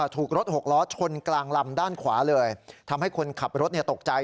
ถูกรถหกล้อชนกลางลำด้านขวาเลยทำให้คนขับรถตกใจ